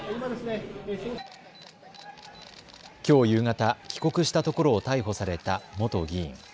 きょう夕方、帰国したところを逮捕された元議員。